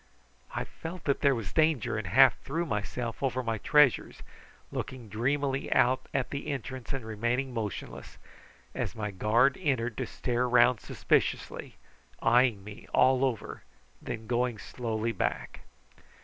I felt that there was danger, and half threw myself over my treasures, looking dreamily out at the entrance and remaining motionless, as my guard entered to stare round suspiciously, eyeing me all over, and then going slowly back.